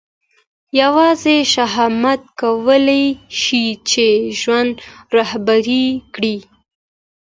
یوازې شهامت کولای شي چې ژوند رهبري کړي.